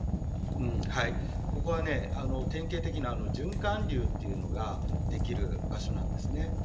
ここは典型的な循環流ができる場所なんですね。